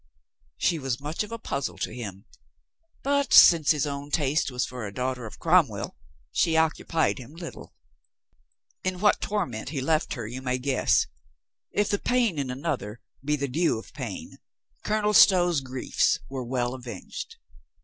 She was much of a puz zle to him, but since his own taste was for a daugh ter of Cromwell, she occupied him little. In what torment he left her you may guess. If pain In another be the due of pain, Colonel Stow's griefs were well avenged.